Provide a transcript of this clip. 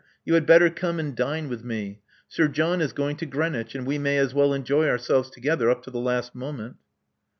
You had better come and dine with me. Sir John is going to Greenwich; and we may as well enjoy ourselves together up to the last moment."